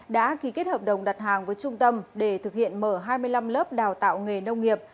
đã ký kết hợp đồng đặt hàng với trung tâm để thực hiện mở hai mươi năm lớp đào tạo nghề nông nghiệp